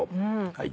はい。